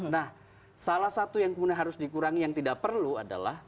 nah salah satu yang kemudian harus dikurangi yang tidak perlu adalah